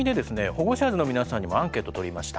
ホゴシャーズの皆さんにもアンケートをとりました。